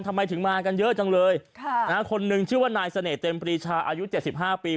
ทำไมถึงมากันเยอะจังเลยค่ะคนหนึ่งชื่อว่านายเสน่หเต็มปรีชาอายุเจ็ดสิบห้าปี